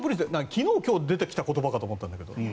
昨日今日出てきた言葉かと思ったんだけど。